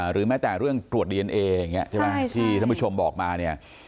หรือแม้แต่เรื่องตรวจดีเอนเออย่างนี้ใช่ไหมที่ท่านผู้ชมบอกมาเนี่ย